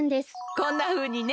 こんなふうにね。